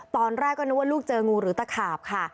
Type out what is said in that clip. ตอนแรกก็นึกว่าลูกเจองูหรือตะขาบค่ะ